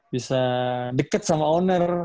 bisa deket sama owner